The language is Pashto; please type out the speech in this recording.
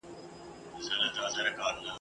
عُمر مي دي ستاسی، وايي بله ورځ!.